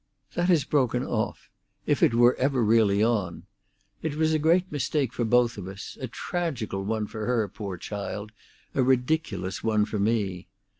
"That is broken off—if it were ever really on. It was a great mistake for both of us—a tragical one for her, poor child, a ridiculous one for me.